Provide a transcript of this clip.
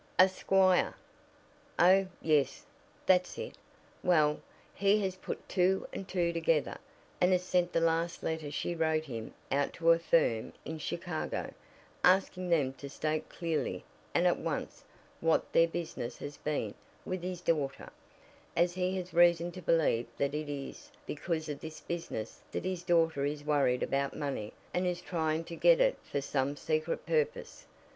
"A squire." "Oh, yes, that's it. Well, he has put two and two together, and has sent the last letter she wrote him out to a firm in Chicago, asking them to state clearly, and at once, what their business has been with his daughter, as he has reason to believe that it is because of this business that his daughter is worried about money and is trying to get it for some secret purpose.